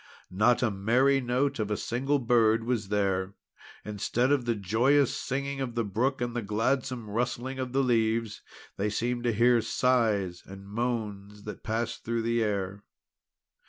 Not a merry note of a single bird was there. Instead of the joyous singing of the brook, and the gladsome rustling of the leaves, they seemed to hear sighs and moans that passed through the air.